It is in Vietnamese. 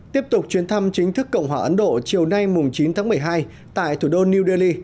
tiếp tục chuyến thăm chính thức cộng hòa ấn độ chiều nay chín tháng một mươi hai tại thủ đô new delhi